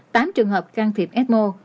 tám trường hợp can thiệp ecmo